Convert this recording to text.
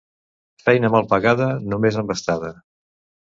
Feina mal pagada, només embastada.